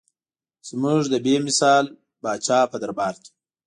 زموږ د بې مثال پاچا په دربار کې.